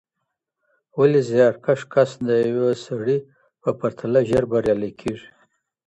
ولي زیارکښ کس د پوه سړي په پرتله ژر بریالی کېږي؟